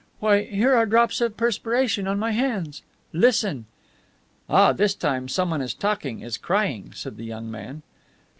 Why, here are drops of perspiration on my hands! Listen!" "Ah, this time someone is talking is crying," said the young man.